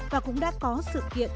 và cũng đã có sự kiện